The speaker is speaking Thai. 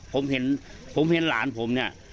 ผมเห็นหลานผมนี่